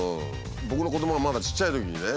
僕の子どもがまだちっちゃいときにね